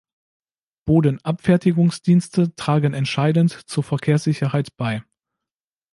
Bodenabfertigungsdienste tragen entscheidend zur Verkehrssicherheit bei.